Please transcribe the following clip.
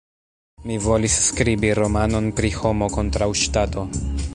Mi volis skribi romanon pri Homo kontraŭ Ŝtato.